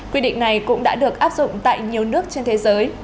quy định này cũng đã được áp dụng tại nhiều nước trên thế giới